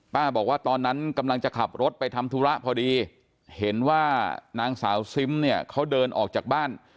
บอกว่าตอนนั้นกำลังจะขับรถไปทำธุระพอดีเห็นว่านางสาวซิมเนี่ยเขาเดินออกจากบ้าน